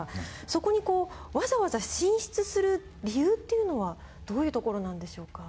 そこにこうわざわざ進出する理由っていうのはどういうところなんでしょうか？